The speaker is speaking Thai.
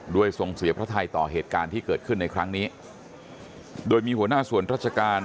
ทรงเสียพระไทยต่อเหตุการณ์ที่เกิดขึ้นในครั้งนี้โดยมีหัวหน้าส่วนราชการ